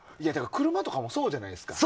車とかもそうじゃないですか。